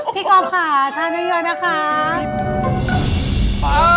พี่กอปค่ะทานให้เยอะนะคะ